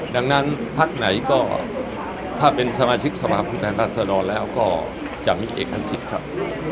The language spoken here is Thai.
ดังนั้นพักไหนก็ถ้าเป็นสมาชิกสภาพผู้แทนรัศดรแล้วก็จะมีเอกสิทธิ์ครับ